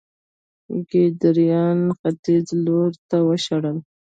کيداريان يې ختيځ لوري ته وشړل